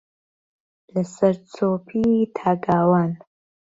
لەسەرچۆپی تا گاوان